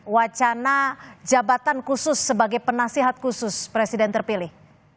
wacana jabatan khusus sebagai penasihat khusus presiden terpilih